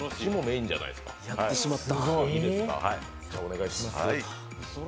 やってしまった。